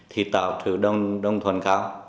thì tạo được đồng thuận kháu